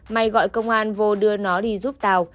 mày gọi công an vô đưa nó đi giúp tao